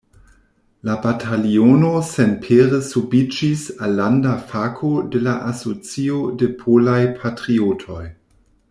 La bataliono senpere subiĝis al landa fako de la Asocio de Polaj Patriotoj.